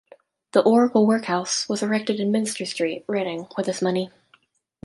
The Oracle workhouse, was erected in Minster Street, Reading with this money.